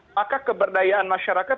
maka keberdayaan masyarakat